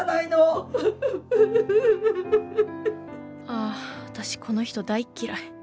「あああたしこの人大っ嫌い。